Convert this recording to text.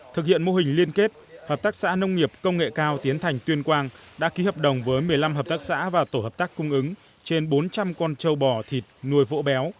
thực hiện mô hình liên kết hợp tác xã nông nghiệp công nghệ cao tiến thành tuyên quang đã ký hợp đồng với một mươi năm hợp tác xã và tổ hợp tác cung ứng trên bốn trăm linh con trâu bò thịt nuôi vỗ béo